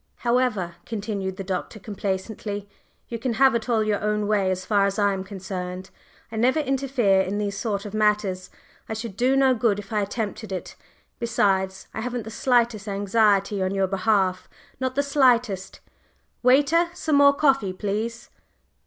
"However," continued the Doctor complacently, "you can have it all your own way as far as I am concerned. I never interfere in these sort of matters. I should do no good if I attempted it. Besides, I haven't the slightest anxiety on your behalf not the slightest. Waiter, some more coffee, please?"